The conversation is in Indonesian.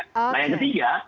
nah yang ketiga